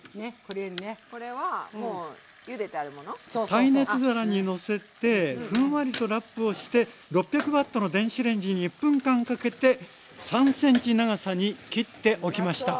耐熱皿にのせてふんわりとラップをして６００Ｗの電子レンジに１分間かけて３ｃｍ長さに切っておきました。